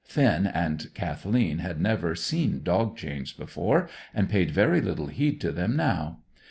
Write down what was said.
(Finn and Kathleen had never seen dog chains before, and paid very little heed to them now.